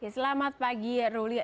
selamat pagi ruli